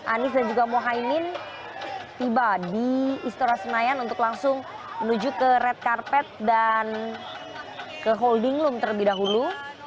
anies dan juga mohaimin tiba di istora senayan untuk langsung menuju ke red carpet dan ke holding loom terlebih dahulu